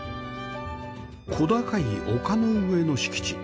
小高い丘の上の敷地